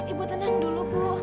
ibu tenang dulu bu